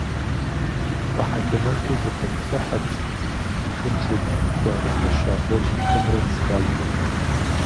ТфӀэхьэлэмэту зэпэтплъыхьырт Шэмсэдин къыхуагъэфэща орденхэмрэ медалхэмрэ.